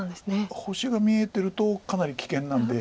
星が見えてるとかなり危険なんで。